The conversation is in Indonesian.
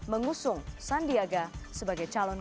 mengusung sandiaga sebagai calon